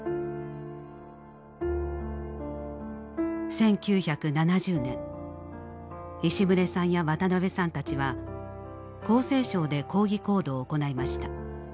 １９７０年石牟礼さんや渡辺さんたちは厚生省で抗議行動を行いました。